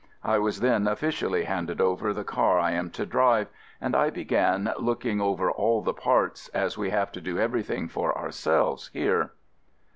I was then officially handed over the car I am to drive, and I began looking over all the parts, as we have to do every thing for ourselves here.